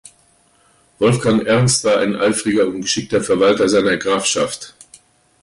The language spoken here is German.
Wolfgang Ernst war ein eifriger und geschickter Verwalter seiner Grafschaft.